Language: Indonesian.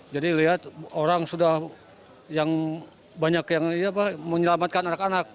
jadi lihat orang sudah yang banyak yang menyelamatkan anak anak